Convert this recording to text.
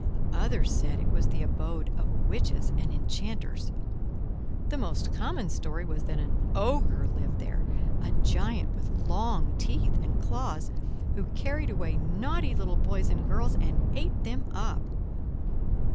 Others said it was the abode of witches and enchanters. The most common story was that an Ogre lived there, a giant with long teeth and claws, who carried away naughty little boys and girls and ate them up.